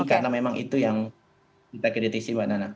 karena memang itu yang kita kritisi mbak nana